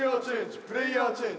プレイヤーチェンジ。